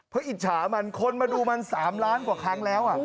เพราะอิจฉามันคนมาดูมัน๓ล้านกว่าครั้งแล้ว